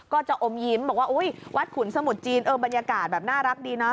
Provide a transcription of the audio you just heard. ก็จะอมยิ้มบอกว่าวัดขุนสมุทรจีนบรรยากาศน่ารักดีนะ